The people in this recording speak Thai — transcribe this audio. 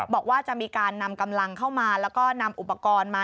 บอกว่าจะมีการนำกำลังเข้ามาแล้วก็นำอุปกรณ์มา